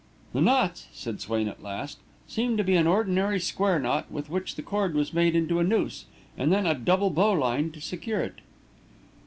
"The knots," said Swain, at last, "seem to be an ordinary square knot with which the cord was made into a noose, and then a double bowline to secure it."